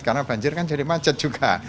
karena banjir kan jadi macet juga